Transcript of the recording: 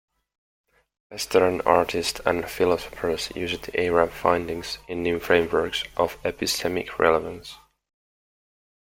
Western artists and philosophers used the Arab findings in new frameworks of epistemic relevance.